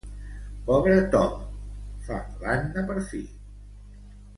Pobre Tom —fa l'Anna per fi.